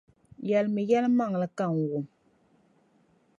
Yεlimi yεlimaŋli ka n wum.